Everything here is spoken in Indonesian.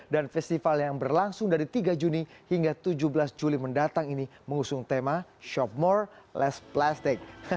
dan festival yang berlangsung dari tiga juni hingga tujuh belas juli mendatang ini mengusung tema shop more less plastic